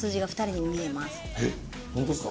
えっホントっすか？